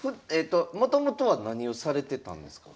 もともとは何をされてたんですか？